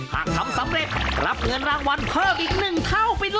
หากทำสำเร็จรับเงินรางวัลเพิ่มอีก๑เท่าไปเลย